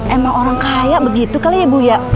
emang orang kaya begitu kali ya bu ya